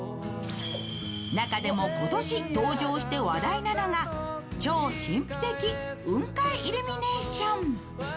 中でも今年登場して話題なのが超神秘的、雲海イルミネーション。